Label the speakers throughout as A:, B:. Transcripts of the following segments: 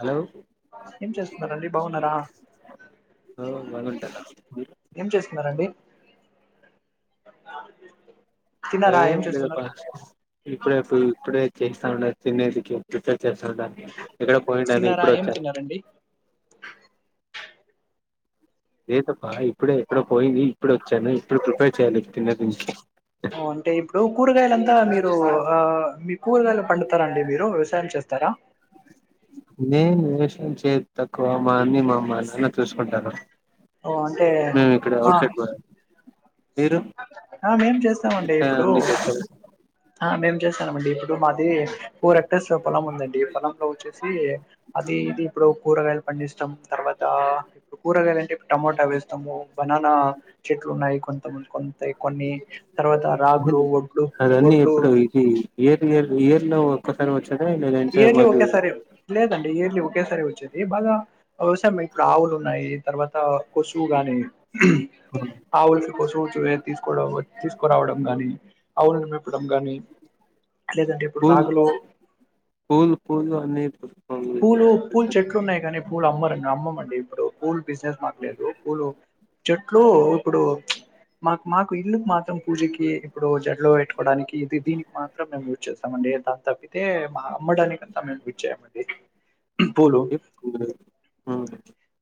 A: Hello
B: ఏం చేస్తున్నరండి బాగున్నారా
A: ఆ బాగుంటారా
B: ఏం చేస్తున్నారండి. [inaudible]
A: ఆ ఏం లేదబ్బ ఇప్పుడే పొయి ఇప్పుడే చేయిస్తాండ తినేదికి చేస్థాండ ఎక్కడొ పోయిండాను
B: తిన్నారా
A: ఇప్పుడే
B: ఏం
A: వచ్చాను.
B: తిన్నారండి
A: లేదప్ప ఇప్పుడే ఎక్కడో పోయింది ఇప్పుడు వచ్చాను ఇప్పుడు ప్రిపేర్ చేయాలి తినే గురించి
B: అంటే ఇప్పుడు కూరగాయలంతా మీరు ఆ మీ కూరగాయలు పండుతారండి మీరు వ్యవసాయం చేస్
A: నేన్ వ్యవసాయం చెత్తక్కువ మా అన్న మ మా అన్న చూసుకుంటాడు
B: ఓ అంటే
A: మేమిక్కడ
B: ఆ
A: ఔట్ సైడ్ మీరు
B: ఆ మేం చేస్తామండి ఇప్పుడు
A: అన్ని చేస్తారు
B: ఆ మేము చేస్తాన్నమండి ఇప్పుడు మాది ఫోర్ ఎక్టర్స్ పొలం ఉందండి పొలంలో వచ్చేసి అ ది ఇది ఇప్పుడు కూరగాయలు పండిస్తాం తర్వాత ఇప్పుడు కూరగాయలు అంటే ఇప్పుడు టమోటా వేస్తాము బనానా ఆ చెట్లు ఉన్నాయి కొంతంది కొంత కొన్ని తర్వాత రాగులు ఒడ్లు
A: దన్ని
B: ఒడ్లు
A: ఎప్పుడు ఇది ఏది ఏ ఇయర్లో కొత్తగా వచ్
B: ఇయర్లీ ఒక్కసారే లేదం ఇయర్లీ ఒకేసారి వచ్చేది బాగా అవసరం ఇప్పుడు ఆవులు ఉన్నాయి తర్వాత కొసువు గాని ఆవుల్ సొచు తీసుకోవడం తీసుకురావడం గాని ఆవుల్ని మేపడం గాని లేదంటే ఇప్పుడు
A: పూల్
B: నాగులు
A: పూల్ పూలు అన్నీ ఏకు
B: పూలు పూలు చెట్లు ఉన్నాయి కానీ పూలు అమ్మరండి అమ్మమండి ఇప్పుడు పూలు బిజినెస్ మాకులేదు పూలు చెట్లు ఉప్పుడు మాకు మాకు ఇల్లుకు మాత్రం పూజకి ఇప్పుడు జడ్లో పెట్టుకోవడానికి ఇది దీనికి మాత్రం మేము యుజ్ చేస్తాంమండి అండి దాని తప్పితే మా అమ్మడానికంతా మేము గుచ్చ చేయమండి పూలు
A: అ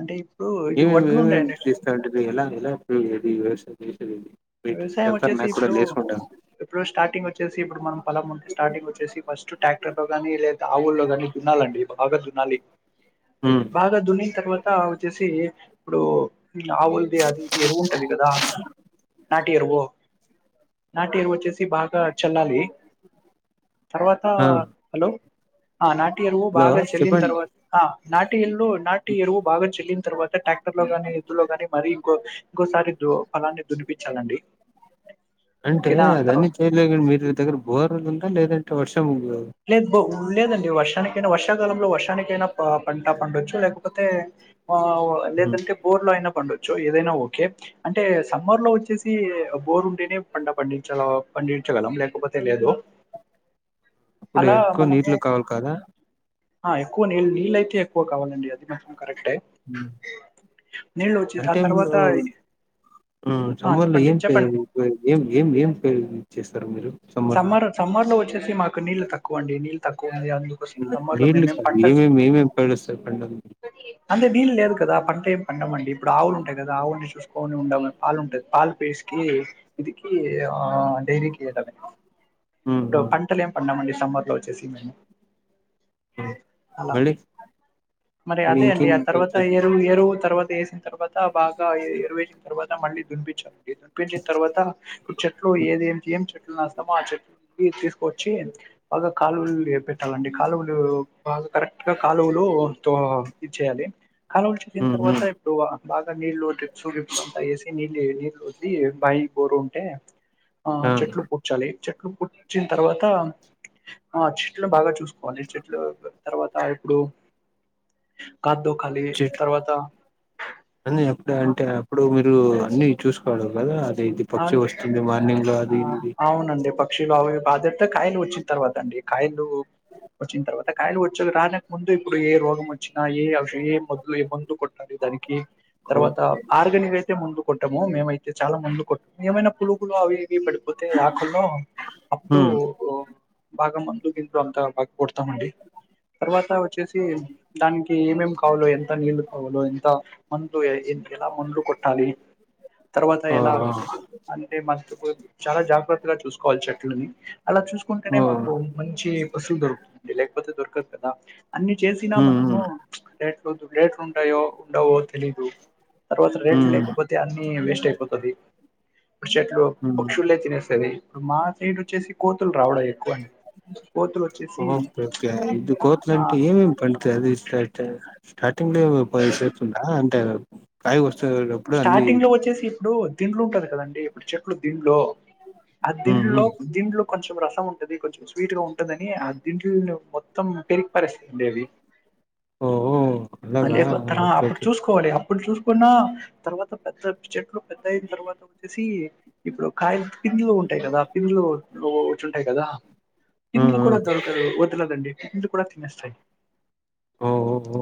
B: అంటే ఇప్పుడు ఇది
A: ఏం
B: వడ్లు
A: ఏమిమీ
B: ఉంటాయండి
A: చేస్తాటివి ఎలా ప్పు ఇది వ్యవస్థ చేసేది ఇది
B: వ్యవసాయం
A: చెత
B: వచ్చేసి
A: నాకు కూడా
B: ఇప్పుడు
A: లేసుకుంటాను
B: ఇప్పుడు స్టార్టింగ్ వచ్చేసి ఇప్పుడు మనం పొలం ఉంది స్టార్టింగ్ వచ్చేసి ఫస్ట్ ట్రాక్టర్థో కానీ లేద ఆవుల్లో కానీ దున్నలండి బాగా దున్నలి
A: హ్మ్.
B: బాగా దున్నిన తర్వాత అంత వచ్చేసి ఇప్పుడు విల ఆవులది అదిది ఎరువు ఉంటది కదా ఓ నాటేరువు వచ్చేసి బాగా చల్లాలి తర్వాత
A: ఆ
B: హలో ఆ నాటియరువు
A: హలో
B: బాగా చెల్లిన
A: చెప్పండి
B: తర్వాత ఆ ఆ నాటి ఎల్లు నాటి ఎరువు బాగా చెల్లిన తర్వాత ట్రాక్టర్ లో గాని ఎద్దులోగాని మరి ఇంకో ఇంకోసారి తో అలాటివి దున్నిపించాలండి
A: అంటే అదన్నీ చేయలేకండి మీరు దగ్గర బోరలు ఉందా లేదంటే వర్షం
B: లేదు బ లేదండి వర్షానికైనా వర్షాకాలంలో వర్షానికైనా పంట పండొచ్చు లేకపోతే ఆ లేదంటే బోర్లో అయిన పండా ఏదైనా ఓకే అంటే సమ్మర్ లో వచ్చేసి బోరుండేనే పంట పండించాల పండి చాగలం లేకపోతే లేదు
A: అప్పుడు
B: అలా
A: ఎక్కువ
B: మనము
A: నీళ్లు కావాలి కాదా
B: ఆ ఎక్కువ నీళ్ నీళ్ళయితేక్కువాలండి అది కరెక్టే
A: హ్
B: నీళ్ళు వచ్చి ఆ
A: అంటే
B: తర్వాత
A: ఉలో ఆ సమ్మర్ లో
B: చెప్పండి చెప్పండి
A: ఏంచేయాలి ఏం ఏం ఏం ఏం చేస్తారు మీరు
B: సమ్మర్ సమ్మర్ లో వచ్చేసి మాకు నీళ్ల తక్కువ అండి నీళ్ళు తక్కువ అందుకోసం సమ్మర్ లో
A: నీళ్లు
B: మేమేం
A: కాదు
B: పంటలు
A: ఏమేమి ఏమేమి పడుస్తారు పంటలు
B: అే నీళ్లు లేదు కదా పంట ఏం పండం అండి ఇప్పుడు ఆవులు ఉంటాయి కదా ఆవుని చూసుకొని ఉండ పాలు ఉంటాంది పాలు పేసికి ఇదిక ఆ డైరీకీయడము
A: హ్మ్.
B: ఇప్పుడు
A: హ్మ్.
B: పంటలేం పండమండి సమ్మర్లో వచ్చేసి మేము
A: హ్మ్
B: అలా
A: మల్లి
B: మరి అదే అండి ఆ తర్వాత ఎరు ఎరువు తర్వాత వేసిన తర్వాత బాగా ఎరువేసిన తర్వాత మళ్ళీ దునిపించారు పించిన తర్వాత ఇప్పు చెట్లు
A: హ్మ్.
B: ఏదేం ఏం చె చెలుస్త ఆ చెట్ల తీసుకొచ్చి బాగా కాలువలు పెట్టాలండి కాలువలు బా కరెక్ట్గా కాలువలు తో ఇచ్చేయాలి కాలువలు చేసిన
A: హ్మ్.
B: తర్వాత
A: హ్మ్.
B: ఇప్పుడు బాగా నీళ్ళు ట్రిప్స్ గిప్స్ అంతా వేసి నీళ్ళ నీళ్ళుకొద్దీ బాయి బోరు ఉంటే ఆ చెట్లు పుచాలి చెట్లు పుచ్చిన తర్వాత ఆ చెట్లు బాగా చూసుకోవాలి చెట్లు తర్వాత ఇప్పుడు కాద్దో కాలి
A: చెట్లు
B: తర్వాత
A: అ అప్పుడ
B: ఆ
A: అంటే అప్పుడు మీరు మీరు అన్ని చూసుకోవడం వాళ్ళ అదిఏంటి పక్షి వస్తుంది మార్నింగ్ లో అది ఇది
B: బాధత కాయలు వచ్చిన తర్వాత అండి కాయలు వచ్చిన తర్వాత ఇ కాయలు వచ్చలు రానక ముందు ఇప్పుడు ఏ రోగం వచ్చినా ఏ అ ఏ మొ మందు కొట్టనారు దానికి తర్వాత ఆర్గనిక్ అయితే ముందు కొట్టాము మేముైతే చాలా ముందులు కొట్టాము ఏమైనా పులుగులు అవి పడిపోతే ఆకుల్లో అప్పుడు
A: హ్మ్
B: బా మందు గింలో అంతా బాగా కొడతామండి తర్వాత వచ్చేసి దానికి ఏమేం కావాలో ఎంత నీళ్లుు కావాలో ఎంత మందులు ఎలా ముందులు కొట్టాలి తర్వాత
A: ఆ
B: ఎలా అంటే మనసు చాలా జాగ్రత్తగా చూసుకోవాలి చెట్లని అలా
A: ఆ
B: చూసుకుంటేనే
A: ఓ
B: మాకు మంచి బస్సులు దొరుకుతుంది లేకపోతే దొరకదు కదా అన్ని చేసినా
A: హ్మ్
B: మనము
A: హ్మ్
B: లేట్లుదు లేట్లు ఉంటాయో ఉండవో తెలీదు తర్వాత రేట్లు
A: హ్మ్
B: లేకపోతే అన్ని వేస్ట్ అయిపోతుంది ఇప్పుడు చెట్లు
A: హ్మ్
B: పక్షులే తినేస్తుంది ఇప్పుడు మా సైడ్ వచ్చేసి కోతులు రావడం ఎక్కువ అండి కోతులు వచ్చేసి
A: ఓకే కే ఇది
B: ఆ
A: కోతులంటే ఏమేం పంత అది ఇష్ట ఇతే స్టార్టింగ్లో పదిసేస్తుందా అంటే కాయ వస్తటప్పుడు అన్ని
B: స్టార్టింగ్ లో వచ్చేసి ఇప్పుడు దిండ్లు ఉంటది కదండి ఇప్పుడు చెట్లు దిండ్లు ఆ
A: హ్మ్
B: దిండ్లో
A: హ్మ్
B: దిండ్లు కొంచెం రసం ఉంటది కొంచెం స్వీట్ గా ఉంటుందని ఆ దింట్ మొత్తం పెరిగి పరిస్తుండి అది
A: ఓహో అలాగా
B: లేకపోతార
A: ఓకే
B: అప్పుడు
A: ఓకే
B: చూసుకోవాలి అప్పుడు చూసుకున్న తర్వాత పెద్ద చెట్లు పెద్ద అయిన తర్వాత వచ్చేసి ఇప్పుడు కాయలు పింలు ఉంటాయి కదా ఆ పింలు వచ్చుంటాయి కదా
A: హ్మ్
B: కింలు కూడా
A: హ్మ్
B: దొరకరు వదలదండి పిలు కూడా తినేస్తాయి
A: ఓహోహో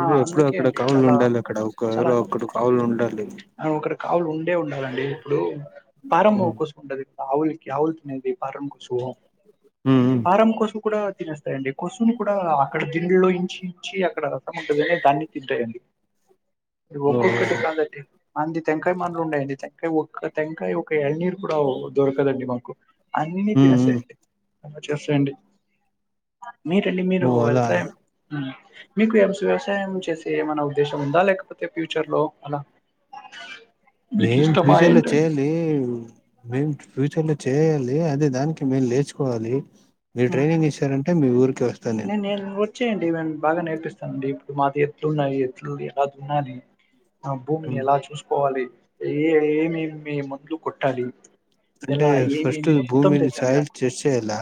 B: ఆ
A: ఎప్పుడు
B: అందుకే
A: అక్కడ
B: అండి
A: కావులు
B: చాలా
A: ఉండాలి అక్కడ ఒక
B: చాలా
A: ఒకక్క కావులు ఉండాలి
B: ఒకటి కావులు ఉండే ఉండాలండి ఇప్పుడు పర
A: హ్మ్
B: కోసం ఉంటది ఆవులికి ఆవులు తినది పారం కోస
A: హ్మ్
B: ఆరం కోసు కూడా తినేస్తాయండి కొసును కూడా అక్కడ దిండ్లో ఇంచి ఇంచి అక్కడ రసం ఉంటదనే దాన్ని తింటాయండి ఒకు
A: ఓహో
B: కా అంది తెంకాయ మనలు ఉన్నాయండి తెంకాయ ఒ తెంకాయ ఒక ఎళ్ళనీరు కూడా దొరకదండి మాకు అన్నీ
A: హ్మ్ హ్మ్
B: తనేసడి అ తరసడి మీరండి మీరు
A: ఓ అలా
B: వెలుసా మీకు వ వ్యవసాయం చేసే ఏమనా ఉద్దేశం ఉందా లేకపోతే ఫ్యూచర్ లో అలా మీకు
A: ఏం
B: ఇష్టమా
A: ఫ్యూచర్ లో
B: ఏంటండి
A: చేయాలి మేము ఫ్యూచర్ లో చేయాలి అదే దానికి మేము లేర్చుకోవాలి మీరు ట్రైనింగ్ ఇస్తారంటే
B: నైన్ ఇచ్చేయండివ బాగా నేర్పిస్తానండి ఇప్పుడు మాది ఎట్లున్నాయి ఎట్లు ఎలాది ఉన్నాలని ఆ భూమిని
A: హ్మ్.
B: ఎలా చూసుకోవాలి ఏ ఏమే మందులు కొట్టాలి
A: అంటే
B: ఎలా ఏమేం
A: ఫస్ట్
B: మొత్తం త
A: భూమిని
B: చందిరా
A: సాయిల్ టెస్ట్ చేయాలా?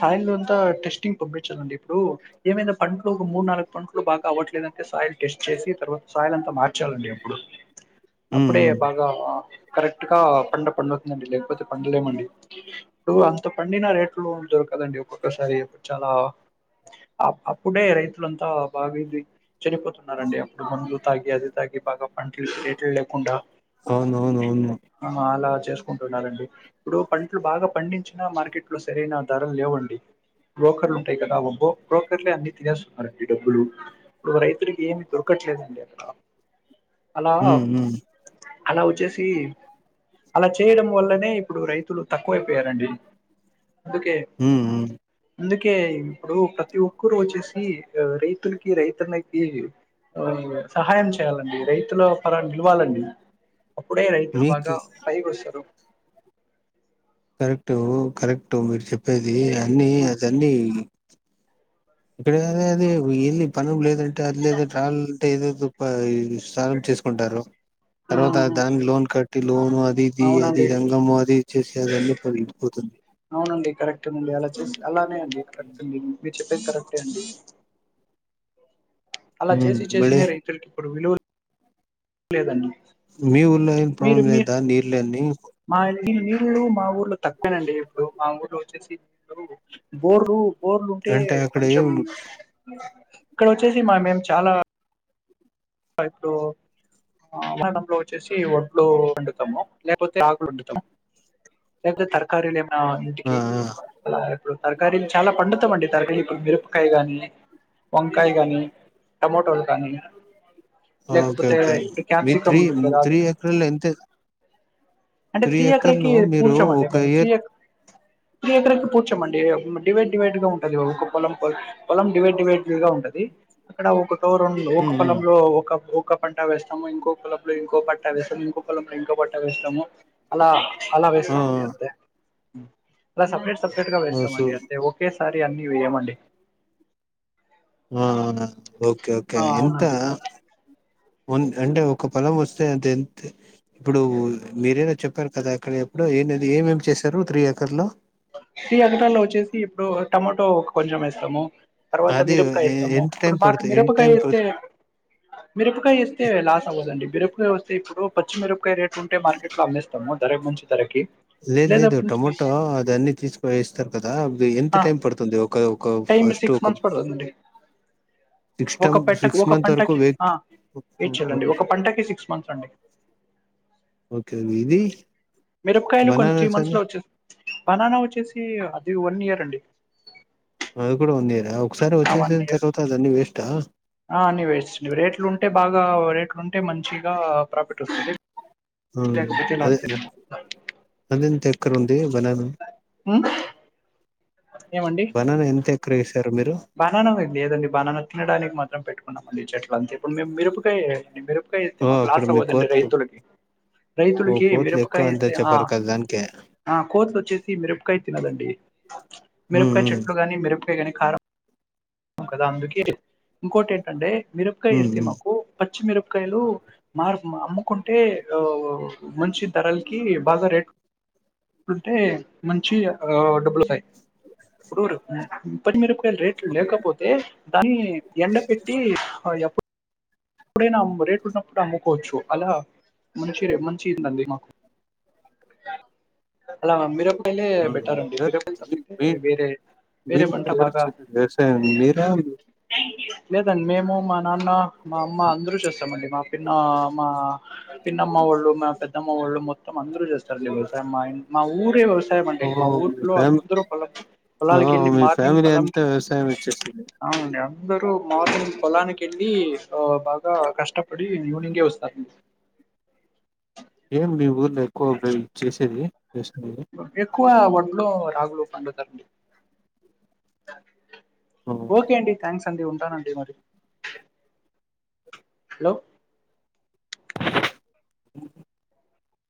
B: ఫాలు అంత టెస్టింగ్ పంపించడి ఇప్పుడు ఏమైనా పంటలు ఒక మూడు నాలుగు పంటలు బాగా అవట్లేదుదంటే సాయిల్ టెస్ట్ చేసి తర్వాత స్యింతా మార్చాలండి అప్పుడు
A: హ్మ్.
B: అప్పుడే
A: హ్మ్.
B: బాగా కరెక్ట్ గా పండ పండువుతుందండి లేకపోతే పండలేమండి ఇప్పుడు అంత పండినా రేట్లురుంది కదండి ఒక్కొక్కసారిప్పుడు చాలా అప్పుడే రైతులంతా బాగాది చనిపోతున్నారండి అప్పుడు మందులు తాగి అది తాగి బాగా పంటలు రేట్లు లేకుండా
A: అవును అవునువును
B: అలా చేసుకుంటున్నారండి ఇప్పుడు పంటలు బాగా పండించిన మార్కెట్ లో సరైన ధర లేవండి బ్రోకర్లు ఉంటాయి కదా ఒబ్బో బ్రోకర్లే అన్ని తినేస్తున్నారండి డబ్బులు ఇప్పుడు రైతులకి ఏమి దొరకట్లేదు డి
A: ఉ
B: అలా వచ్చేసి అలా చేయడం వల్లనే ఇప్పుడు రైతులు తక్కువైపోయారండి అందుకే
A: హ్మ్. హ్మ్.
B: అందుకే ఇప్పుడు ప్రతి ఒక్కరు వచ్చేసి రైతులకి రైతన్నకి సహాయం చేయాలండి రైతుల పర నిలవాలండి అప్పుడే రైతులు బాగా
A: మీకు
B: పైకి వస్తారు
A: కరెక్టు కరెక్ట్ మీరు చెప్పేది అన్ని అదన్ని ఇప్పుడదే ఎల్లి పను లేదంటే అది లేదా ట్రావెల్ అంటే ఏదేదో పది సానం తీసుకుంటారు తర్వాత
B: ఆహా
A: దాని లోన్ కట్టి లోను అదిది అది
B: అవునండి
A: రఘము అదిచ్చసి అది అన్ని పలిగిపోతుంది
B: అవునండి కరెక్టేనండి అలా చేసి అలానే అండి కరెక్ట్ అండి మీరు చెప్పేది కరెక్టే అండి అలా చేసి
A: మళ్ళీ
B: చేసిన రైతులకి ఇప్పుడు విలువ లేదండి
A: మీ ఊళ్ళ ఏం ప్రాబ్లం
B: మీరు మీ
A: లేదా నీర్లని
B: మా ఈ నీళ్ళు మా ఊర్లో తక్కువనండి ఇప్పుడు మా ఊర్లో వచ్చేసి నీళ్లు అందరు బోర్లు బోర్లు ఉంటే
A: అంటే అక్కడ
B: కొంచెం
A: ఏం
B: ఇక్కడ వచ్చేసి మా మేము చాలా ప ఇప్పుడు మనంలో వచ్చేసి వడ్లు వండుతాము లేకపోతే ఆకులు వండుతాము లేక తరకారీలు ఏమనా
A: ఆ
B: ఇంటికి ఆ ఇప్పుడు తరకారిలీలు చాలా పండుతం అండి తరకీ ఇప్పుడు మిరపకాయ గాని వంకాయ గాని టమోటోలు కానీ
A: ఓకే
B: లేకపోతే
A: ఓకే
B: ఇప్పుడు
A: మీ
B: కాప్సికం
A: త్రీ
B: ఉంటది కదా అది
A: త్రీ
B: కానీ
A: ఎకర్లో ఎంత
B: అంటే త్రీ
A: ఎకర్
B: ఎకరకి
A: లో మీరు
B: కూర్చోమండి
A: ఒక
B: మేము త్రీ
A: ఇయర్
B: ఎక త్రీ ఎకరాకి కూర్చోమండి డివైడ్ డివైడ్ గా ఉంటది ఒక పొలం పొ పొలం డివైడ్ డివైడ్ గా ఉంటది అక్కడ ఒక టో రం ఒక పొలంలో ఒక ఒక పంట వేస్తాము ఇంకో పొలం లో ఇంకో పంట వేస్తాము ఇంకో పొలం లో ఇంకో పంట వేస్తాము అలా అలా వేస్తా
A: ఆ
B: మండి అంతే అలా సపరేట్ సపరేటేగా
A: ఆ సో
B: వేస్తామండి అంతే ఒకేసారి అన్నీ వేయమండి
A: అవున ఓకే ఓకే
B: ఆ
A: ఎంత
B: అవునండి
A: అంటే ఒక పొలం వస్తే అంత ఎంత ఇప్పుడు మీరేనా చెప్పారు కదా అక్కడ ఎప్పుడో ఎందిది ఏమేమి చేశారు త్రీ ఏకర్ లో
B: త్రీ ఎకరాలో వచ్చేసి ఇప్పుడు టమాటో కొంచెం ఎస్తాము తర్వాత
A: అది
B: మిరపకాయ ఎస్తాము
A: ఎంత టైం
B: ఇప్పుడు మాకు
A: పడుతుంది ఎంత
B: మిరపకాయ
A: టైం
B: వేస్తే మిరపకాయ ఎస్తే లాస్ అవ్వదండి మిరపకాయ వస్ తే ఇప్పుడు పచ్చిమిరపకాయ రేట్ ఉంటే మార్కెట్ లో అమ్మేస్తాము ధర మంచి ధరకి
A: లేదు
B: లేదా
A: లేదు టొమోటో అది అన్ని తీసుక వేస్తారు కదా అవి ఎంత
B: ఆ
A: టైం పడుతుంది ఒక ఒక
B: టైమ్
A: ఫస్ట్
B: సిక్స్
A: ఒక
B: మంత్స్ పడుతుందండి
A: సిక్స్ టైమ్
B: ఒక పెట్టెకు
A: సిక్స్
B: ఒక
A: మంత్ వరకు
B: పంటకి
A: వే
B: ఏ చెలండి ఒక పంటకి సిక్స్ మంత్స్ అండి
A: ఓకే నీది
B: మిరపకాయలు కొంచ త్రీ మంత్స్ లో వచ్చే బనానా వచ్చేసి అది వన్ ఇయర్ అండి
A: అ కూడా ఉంది కదా ఒకసారి వచ్చేసిన తర్వాత అదన్ని వేస్ట్
B: ఆ అన్ని వేస్టు రేట్లు ఉంటే బాగా రేట్లుంటే మంచిగా ప్రాఫిట్ వస్తుంది లేకపోతే ఇలా
A: అదే అందంతే ఎక్క ఉంది బననా
B: ఉమ్
A: బననా ఎంత ఎక్ర ఇస్తు
B: బనాన లేదండి బనానా తినడానికి మాత్రం పెట్టుకున్నాం అండి చెట్లు అంతే ఇప్పుడు మేము మిరపకాయ మిరుపకాయ వేస్తె
A: ఓ
B: మాకు
A: అక్కడ
B: లాస్
A: మీ
B: అవ్వదండి
A: కోతులు
B: రైతులకి
A: ఓ
B: రైతులకి
A: కోతులు ఎక్కువ
B: మిరపకాయ
A: అంత
B: ఎస్తే ఆ
A: చెప్పారు కదా దానికే
B: ఆ కోతులు వచ్చేసి మిరపకాయ తినదండి
A: ఉమ్
B: మిరపకాయ
A: ఉమ్
B: చెట్లు గానీ మిరపకాయ కానీ కారం కదా అందుకే ఇంకోటి ఏంటంటే మిరపగాయ
A: ఉమ్
B: ఏరితే మాకు పచ్చిమిరప కాయలు మాకు అమ్ముకుంటే మంచి ధరలకి బాగా రేటు ఇప్పుడుంటే మంచి ఆ డబ్బులు వస్తాయి ఇప్పుడు ఇటి మీరు రేట్లు లేకపోతే దాన్ని ఎండ పెట్టి ఎప్పుడు ఎప్పుడైనా రేటు ఉన్నప్పుడు అమ్ముకోవచ్చు అలా మంచి రే మంచిందండి మాకు హలా మిరప పంటే
A: ఉమ్
B: బెటర్ అండి వేరే
A: ఎవరు
B: పంట
A: మీ
B: తప్పితే
A: మీ
B: వేరే వేరే పంట బాగా
A: మీర
B: మేము మా నాన్న మా అమ్మ అందరూ చేస్తాం అండి మా పన్న మా పిన్నమ్మ వాళ్ళు మా పెద్దమ్మ వాళ్ళు మొత్తం అందరు చేస్తారు లేత మా ఇ మా ఊరే వ్యవసాయం అండి
A: ఓ
B: మా
A: మీ
B: ఊర్లో
A: ఫ్యామిలీ
B: అందరు పొలం పొలాలక వెళ్ళి మార్నింగ్ పొలంకెళ్ళ
A: సీ
B: అందరు మార్నింగ్ పొలానికి వెళ్ళి ఆ బాగా కష్టపడి ఈవినింగే వస్తారండి
A: ఏం మీ ఊర్లో ఎక్కువ చేసేది వ్యవసాయం
B: ఎక్కువ వడ్లు రాగులు పండుద్దండి ఓకే అండి థ్యాంక్స్ అండి ఉంటానండి మరి హలో